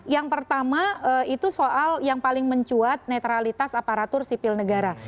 yang pertama itu soal yang paling mencuat netralitas aparatur sipil negara